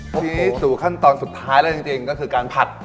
ชี้สู่ขั้นตอนสุดท้ายแล้วจริงก็คือการผัด